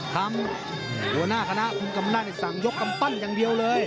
หัวหน้าคณะคุณกรรมนาศสั่งยกกำปั้นอย่างเดียวเลย